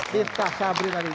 miftah sabri tadi